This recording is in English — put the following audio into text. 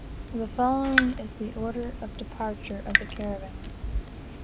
The following is the order of departure of the caravans.